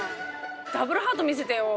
ダブルハート見せてよ。